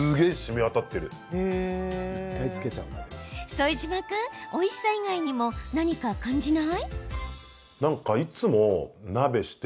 副島君、おいしさ以外にも何か感じない？